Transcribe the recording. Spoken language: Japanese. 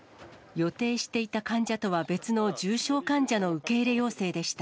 予定していた患者とは別の重症患者の受け入れ要請でした。